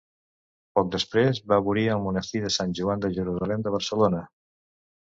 Poc després va morir al monestir de Sant Joan de Jerusalem de Barcelona.